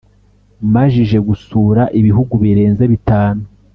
Majije gusura ibihugu birenze bitanu